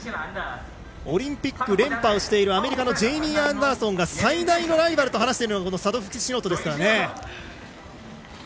オリンピック連覇をしているアメリカのジェイミー・アンダーソンが最大のライバルと話すのがサドフスキシノットですからね。